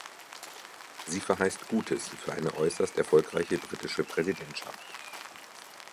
Sie verheißt Gutes für eine äußerst erfolgreiche britische Präsidentschaft.